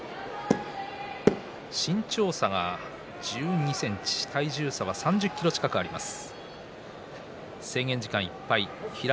身長差１２ｃｍ体重差３０ｋｇ近くあります。